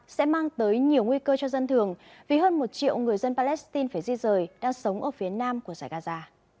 sẽ mang tới nhiều nguy cơ cho dân thường vì hơn một triệu người dân palestine phải di rời đang sống ở phía nam của giải gaza